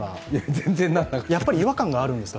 全然ないやっぱり違和感があるんですか？